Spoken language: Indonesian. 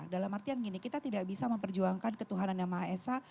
dalam artian gini kita tidak bisa memperjuangkan ketuhanan yang maha esa